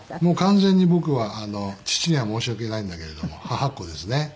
もう完全に僕は父には申し訳ないんだけれども母っ子ですね。